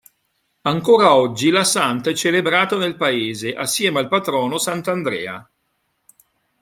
Ancora oggi la Santa è celebrata nel paese, assieme al patrono Sant'Andrea.